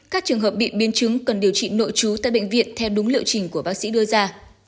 các trường hợp bị biến chứng cần điều trị nội trú tại bệnh viện theo đúng liệu trình của bác sĩ đưa ra